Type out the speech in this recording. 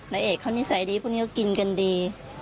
เอกเขานิสัยดีพวกนี้ก็กินกันดี